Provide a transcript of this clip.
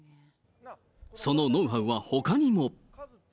そのノウハウはほかにも。